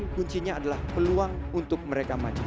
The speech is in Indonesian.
kuncinya adalah peluang untuk mereka maju